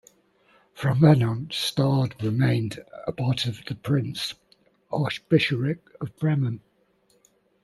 From then on Stade remained a part of the Prince-Archbishopric of Bremen.